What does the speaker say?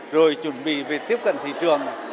rồi chuẩn bị về tiếp cận thị trường